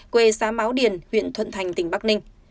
quê xã máo điền huyện thuận thành tỉnh bắc ninh